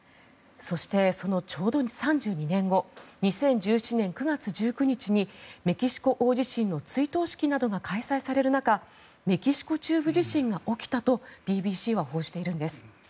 そして、そのちょうど３２年後２０１７年９月１９日にメキシコ大地震の追悼式などが開催される中メキシコ中部地震が起きたとＢＢＣは報じているんです。